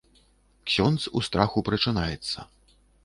Ксёндз у страху прачынаецца.